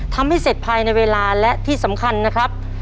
ทำให้เสร็จภายในเวลาและที่สำคัญนะครับ